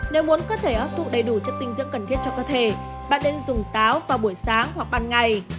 nếu muốn cơ thể hấp thụ đầy đủ chất dinh dưỡng cần thiết cho cơ thể bạn nên dùng táo vào buổi sáng hoặc ban ngày